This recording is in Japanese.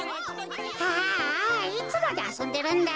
ああいつまであそんでるんだ。